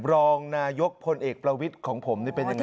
รองนายกพลเอกประวิทย์ของผมนี่เป็นยังไง